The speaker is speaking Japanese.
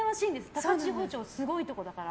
高千穂町すごいところだから。